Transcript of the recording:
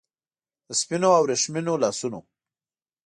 د سپینو او وریښمینو لاسونو